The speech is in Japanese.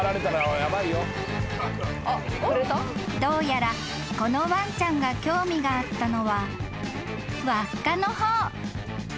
［どうやらこのワンちゃんが興味があったのは輪っかの方］